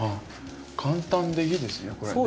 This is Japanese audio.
簡単でいいですねこれね。